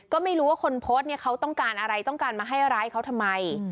ก็ไม่รู้ว่าคนโพสต์เนี่ยเขาต้องการอะไรต้องการมาให้ร้ายเขาทำไม